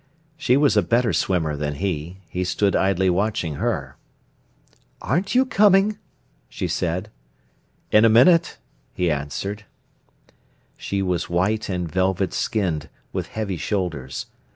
She was a better swimmer than he; he stood idly watching her. "Aren't you coming?" she said. "In a minute," he answered. She was white and velvet skinned, with heavy shoulders.